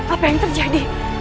apa yang terjadi